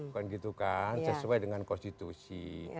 kan gitu kan sesuai dengan konstitusi